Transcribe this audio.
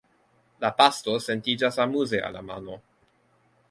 La pasto sentiĝas amuze al la mano.